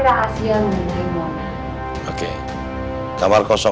kira asia menurut mona